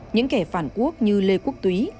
những kẻ phản quốc như lê quốc túy